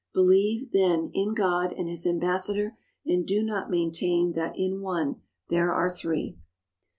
Believe, then, in God and His Ambassador, and do not maintain that in one there are three.